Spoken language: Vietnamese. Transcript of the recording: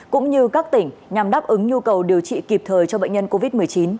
cũng như các tỉnh nhằm đáp ứng nhu cầu điều trị kịp thời cho bệnh nhân covid một mươi chín